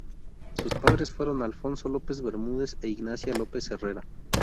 Sus padres fueron Alfonso López Bermúdez e Ignacia López Herrera.